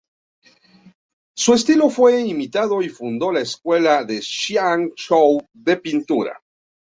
Su estilo fue muy imitado y fundó la Escuela Ch'ang-chou de pintura.